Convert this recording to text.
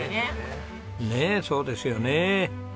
ねえそうですよね。